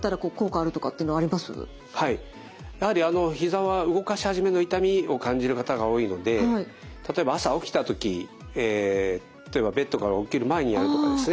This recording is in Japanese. やはりひざは動かし始めの痛みを感じる方が多いので例えば朝起きた時例えばベッドから起きる前にやるとかですね